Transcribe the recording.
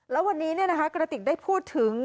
แล้ววันนี้กระติกได้พูดถึง